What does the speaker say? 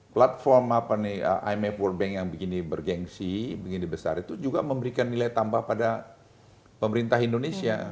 platform imf world bank yang begini bergensi begini besar itu juga memberikan nilai tambah pada pemerintah indonesia